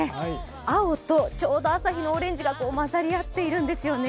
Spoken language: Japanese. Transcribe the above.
青とちょうど朝日のオレンジが混ざり合っているんですよね。